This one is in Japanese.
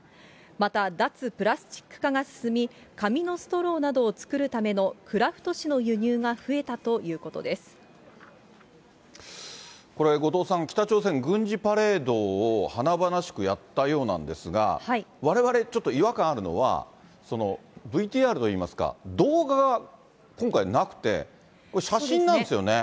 また、脱プラスチック化が進み、紙のストローなどを作るためのクラフト紙の輸入が増えたというここれ、後藤さん、北朝鮮、軍事パレードを華々しくやったようなんですが、われわれちょっと、違和感あるのは、ＶＴＲといいますか、動画が今回、なくて、これ、写真なんですよね。